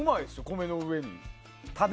米の上に。